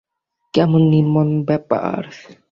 কেমন নির্মম ব্যপার?